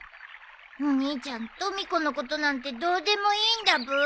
お兄ちゃんとみ子のことなんてどうでもいいんだブー。